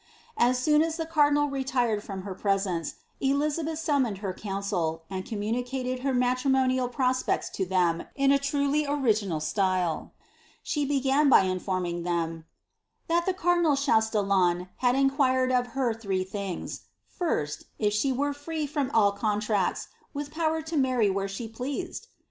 As soon as the cardinal retired from her presence, Elizabeth summoned her council, and communicated her nintrimonial prospects to ihem in ■' Deptchei do la Mov\ib T»nB\oii, v XLIIABSTH. tndy original style. She began by informing them, ^ that the cardinal Chutillon had inquired of her three things ;^ first, if she were free from iU contracts, with power to marry where she pleased